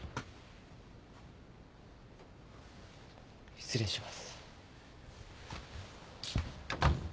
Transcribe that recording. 失礼します。